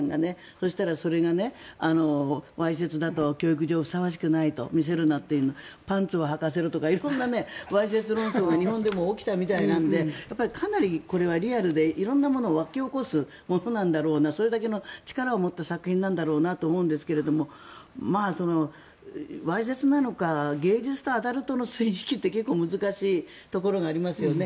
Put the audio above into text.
そしたら、それがわいせつだと教育上、ふさわしくない見せるな、パンツをはかせろとか色んな論争が日本でも起きたみたいなのでかなりこれはリアルで色んなものを湧き起こすものだろうなとそれだけの力を持った作品なんだと思いますがわいせつなのか芸術とアダルトの線引きって結構難しいところがありますよね。